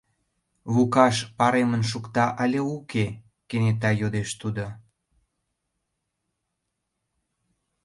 Лукаш паремын шукта але уке? — кенета йодеш тудо.